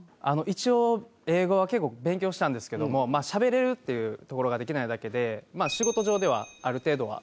一応英語は結構勉強したんですけどもまあしゃべれるっていうところができないだけで仕事上ではある程度は。